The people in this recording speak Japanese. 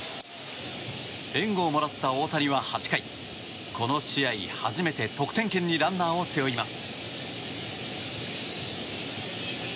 援護をもらった大谷は８回この試合初めて得点圏にランナーを背負います。